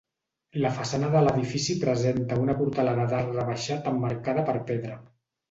La façana de l'edifici presenta una portalada d'arc rebaixat emmarcada per pedra.